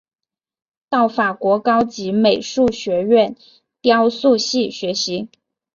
到法国高级美术学院雕塑系学习。